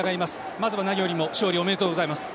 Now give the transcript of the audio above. まずは何よりも勝利おめでとうございます。